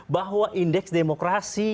bahwa indeks demokrasi